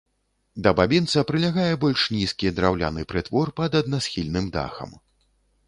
Да бабінца прылягае больш нізкі драўляны прытвор пад аднасхільным дахам.